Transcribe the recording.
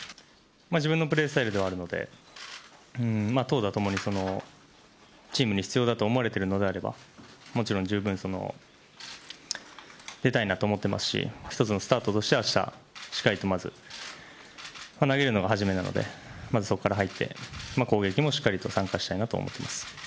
自分のプレースタイルではあるので、投打ともにチームに必要だと思われているのであれば、もちろん十分出たいなと思っていますし、一つのスタートとしてあした、しっかりとまず、投げるのが初めなので、まずそこから入って、攻撃もしっかりと参加したいなと思ってます。